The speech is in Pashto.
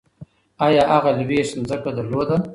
ایا هغه لویشت ځمکه درلوده؟